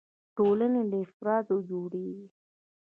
ټولنې له افرادو جوړيږي.